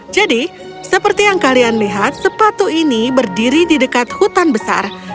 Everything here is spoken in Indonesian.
jadi seperti yang kalian lihat sepatu ini berdiri di dekat hutan besar